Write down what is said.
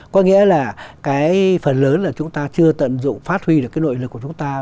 có nghĩa là cái phần lớn là chúng ta chưa tận dụng phát huy được cái nội lực của chúng ta